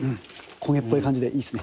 焦げっぽい感じでいいですね。